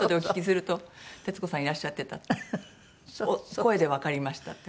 「声でわかりました」って。